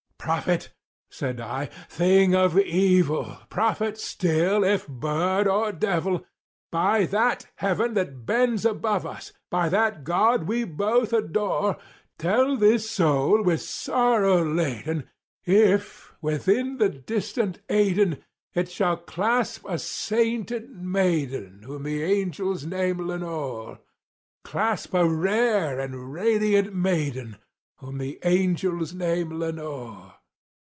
"Prophet!" said I, "thing of evil—prophet still, if bird or devil! By that Heaven that bends above us—by that God we both adore— Tell this soul with sorrow laden if, within the distant Aidenn, It shall clasp a sainted maiden whom the angels name Lenore— Clasp a rare and radiant maiden whom the angels name Lenore."